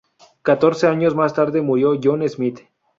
Catorce años más tarde murió John Smith.